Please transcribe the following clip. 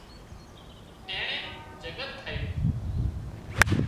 اينڻي جڳت ٺاهيون